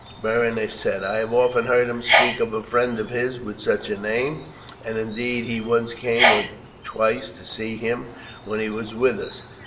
Berenice asked. "I have often heard him speak of a friend of his with such a name, and indeed he came once or twice to see him when he was with us."